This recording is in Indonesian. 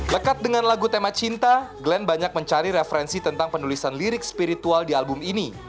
lekat dengan lagu tema cinta glenn banyak mencari referensi tentang penulisan lirik spiritual di album ini